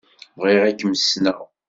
Bɣiɣ ad kem-ssneɣ.